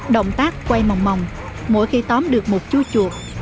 động tác quay mỏng mỏng mỗi khi tóm được một chú chuột